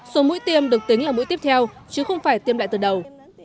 số mũi tiêm được tính là mũi tiếp theo chứ không phải tiêm lại từ đầu